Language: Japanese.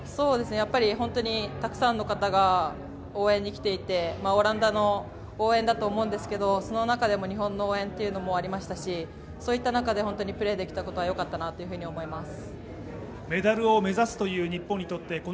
本当にたくさんの方が応援に来ていて、オランダの応援だと思うんですけどその中でも日本の応援というのもありましたし、そういった中で本当にプレーできたことは本当に良かったと思います。